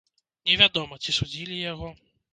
Невядома, ці судзілі яго.